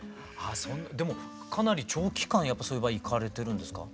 でもかなり長期間そういう場合行かれてるんですか？